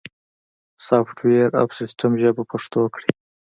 سافت ویر او سیستم ژبه پښتو کړئ